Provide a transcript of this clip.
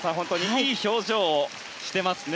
いい表情をしてますね。